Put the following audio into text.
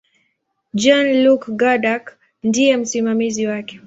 Jean-Luc Godard ndiye msimamizi wake.